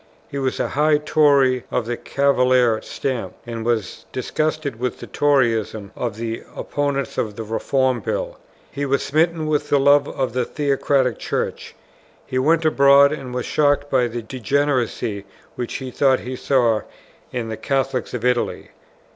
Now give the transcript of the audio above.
He was a high Tory of the Cavalier stamp, and was disgusted with the Toryism of the opponents of the Reform Bill. He was smitten with the love of the Theocratic Church; he went abroad and was shocked by the degeneracy which he thought he saw in the Catholics of Italy.